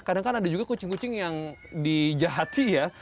kadang kan ada juga kucing kucing yang dijahati ya